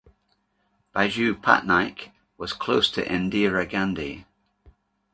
Biju Patnaik was close to Indira Gandhi.